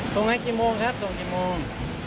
ตรงนั้นกี่โมงครับส่งกี่โมง